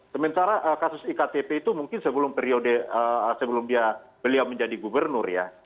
sementara kasus iktp itu mungkin sebelum periode sebelum beliau menjadi gubernur ya